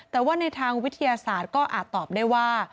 แต่ว่าในทางวิทยาศาสตร์ก็อาจตอบได้ว่า